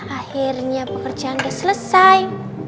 akhirnya pekerjaan udah selesai